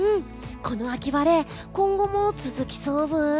この秋晴れ今後も続きそうブイ？